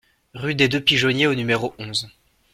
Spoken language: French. Rue des Deux Pigeonniers au numéro onze